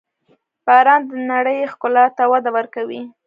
• باران د نړۍ ښکلا ته وده ورکوي.